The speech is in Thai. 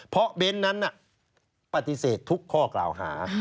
เพราะเบ้นนั้นปฏิเสธทุกข้อกล่าวหา